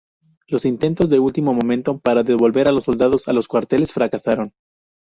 Los intentos de último momento para devolver a los soldados a los cuarteles fracasaron.